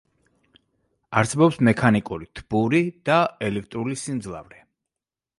არსებობს მექანიკური, თბური და ელექტრული სიმძლავრე.